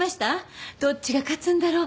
どっちが勝つんだろう？